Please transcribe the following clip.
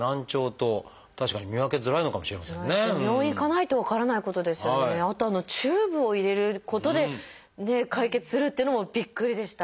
あとあのチューブを入れることで解決するっていうのもびっくりでした。